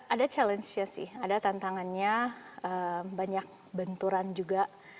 ada challenge nya sih ada tantangannya banyak benturan juga